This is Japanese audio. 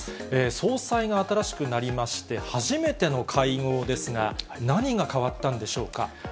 総裁が新しくなりまして初めての会合ですが、何が変わったんでしょうか。